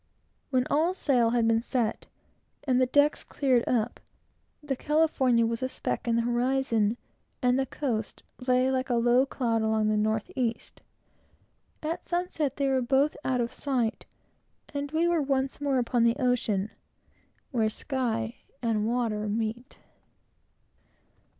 When all sail had been set, and the decks cleared up, the California was a speck in the horizon, and the coast lay like a low cloud along the north east. At sunset they were both out of sight, and we were once more upon the ocean where sky and water meet.